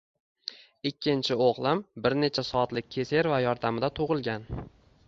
Ikkinchi o‘g‘lim bir necha soatlik kesareva yordamida tug‘ilgan.